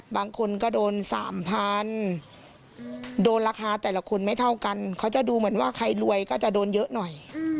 บางคนก็โดน๓๐๐๐โดนราคาแต่ละคนไม่เท่ากันเขาจะดูเหมือนว่าใครรวยก็จะโดนเยอะหน่อย